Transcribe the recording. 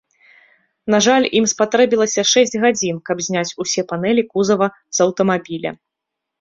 На жаль, ім спатрэбілася шэсць гадзін, каб зняць усе панэлі кузава з аўтамабіля.